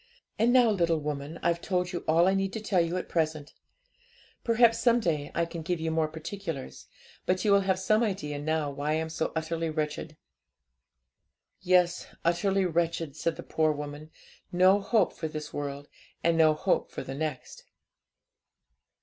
'And now, little woman, I've told you all I need tell you at present; perhaps some day I can give you more particulars; but you will have some idea now why I am so utterly wretched. 'Yes, utterly wretched!' said the poor woman, 'no hope for this world, and no hope for the next.'